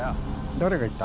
誰が言った。